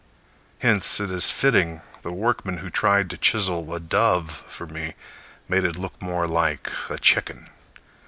Hence it is fitting the workman Who tried to chisel a dove for me Made it look more like a chicken.